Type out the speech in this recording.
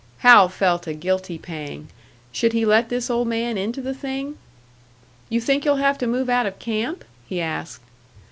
Hal felt a guilty pang. Should he let this old man into the thing? "You think you'll have to move out of camp?" he asked.